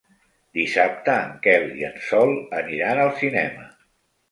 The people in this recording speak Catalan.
Dissabte en Quel i en Sol aniran al cinema.